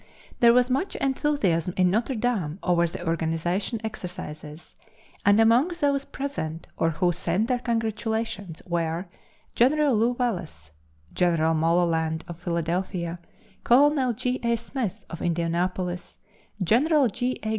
There was much enthusiasm in Notre Dame over the organization exercises, and among those present or who sent their congratulations were General Lew Wallace, General Mulholland, of Philadelphia; Colonel J. A. Smith, of Indianapolis; General J. A.